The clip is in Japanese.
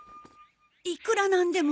いくらなんでも。